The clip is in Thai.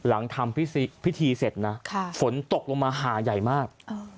หลังทำพิธีพิธีเสร็จน่ะค่ะฝนตกลงมาหาใหญ่มากเอ่อ